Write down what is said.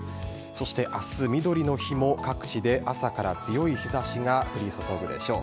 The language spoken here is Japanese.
そして明日、みどりの日も各地で朝から強い日差しが降り注ぐでしょう。